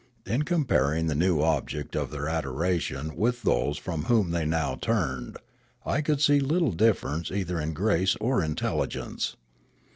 In comparing the new object of their adoration with those from whom they now turned, I could see little difference either in grace or intelligence.